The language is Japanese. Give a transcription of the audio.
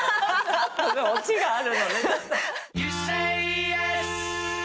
オチがあるのね。